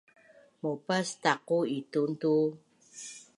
Maupas taqu itun tu